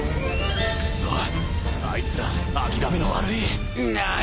くそっあいつら諦めの悪い。なぁ！